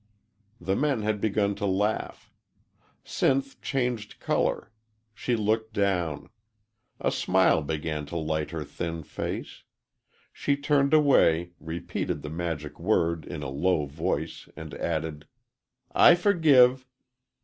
The men had begun to laugh. Sinth changed color. She looked down. A smile began to light her thin face. She turned away, repeated the magic word in a low voice, and added, "I forgive."